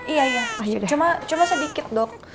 iya iya cuma sedikit dok